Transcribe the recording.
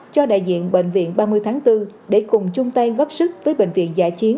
cho đại diện bệnh viện ba mươi tháng bốn để cùng chung tay góp sức với bệnh viện giả chiến